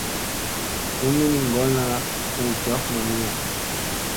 Bunni mi ŋgolla hu jaf mamina.